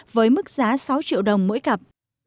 với mức giá sáu triệu đồng mỗi cặp